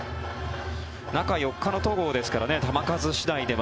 中４日の戸郷ですから球数次第では。